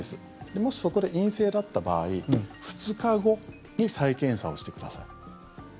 もし、そこで陰性だった場合２日後に再検査をしてください。